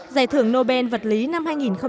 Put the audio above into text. giải thưởng nobel vật lý năm hai nghìn một mươi năm